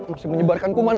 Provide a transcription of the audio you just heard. usus menyebarkan kuman